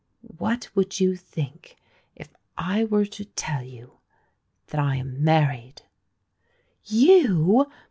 What should you think if I were to tell you that I am married?" "You!